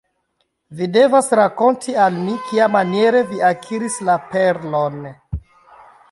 Vi devas rakonti al mi, kiamaniere vi akiris la perlon.